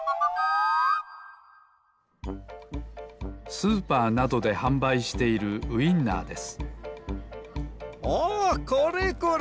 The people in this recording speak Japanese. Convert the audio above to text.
スーパーなどではんばいしているウインナーですおおこれこれ！